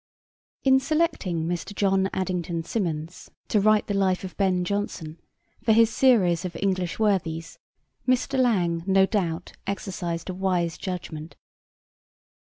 In selecting Mr. John Addington Symonds to write the life of Ben Jonson for his series of 'English Worthies,' Mr. Lang, no doubt, exercised a wise judgment.